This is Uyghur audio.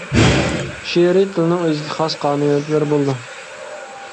شېئىرىي تىلنىڭ ئۆزىگە خاس قانۇنىيەتلىرى بولىدۇ.